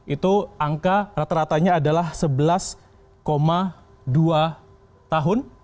itu angka rata ratanya adalah sebelas dua tahun